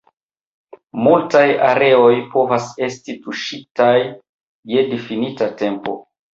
Multaj areoj povas esti tuŝitaj je difinita tempo.